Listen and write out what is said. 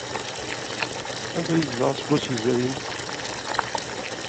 Anda ay yezdeɣ aseggas yezrin?